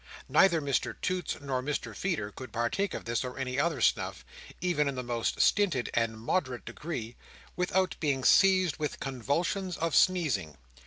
Neither Mr Toots nor Mr Feeder could partake of this or any other snuff, even in the most stinted and moderate degree, without being seized with convulsions of sneezing.